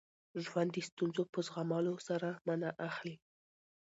ژوند د ستونزو په زغمولو سره مانا اخلي.